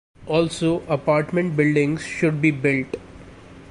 Also apartment buildings should be built.